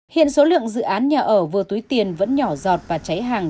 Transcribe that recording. hiện số lượng dự án nhà ở vừa túi tiền vẫn nhỏ giọt và cháy hàng